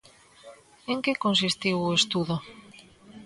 En que consistiu o estudo?